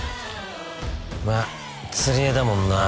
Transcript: まっ釣り餌だもんなあ